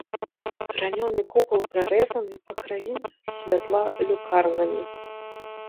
Гранёны купал прарэзаны па краінах святла люкарнамі.